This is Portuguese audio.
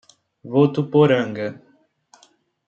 Votuporanga